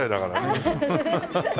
アハハハ。